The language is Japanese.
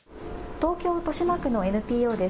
東京豊島区のＮＰＯです。